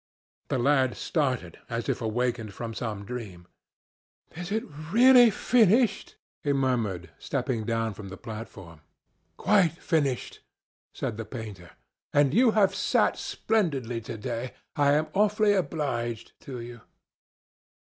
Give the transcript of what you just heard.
The lad started, as if awakened from some dream. "Is it really finished?" he murmured, stepping down from the platform. "Quite finished," said the painter. "And you have sat splendidly to day. I am awfully obliged to you."